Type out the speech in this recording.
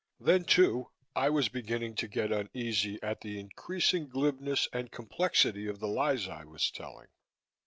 Then, too, I was beginning to get uneasy at the increasing glibness and complexity of the lies I was telling.